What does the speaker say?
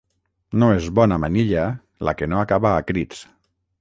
No és bona manilla la que no acaba a crits.